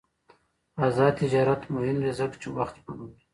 آزاد تجارت مهم دی ځکه چې وخت سپموي.